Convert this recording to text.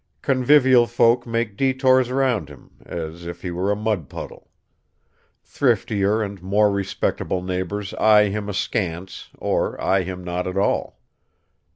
Convivial folk make detours round him, as if he were a mud puddle. Thriftier and more respectable neighbors eye him askance or eye him not at all.